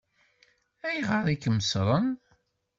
Ayɣer i kem-ṣṣṛen?